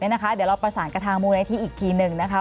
เดี๋ยวเราประสานกับทางมูลนิธิอีกทีหนึ่งนะคะ